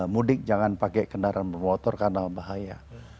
mudik jangan pakai kendaraan bermotor karena bahaya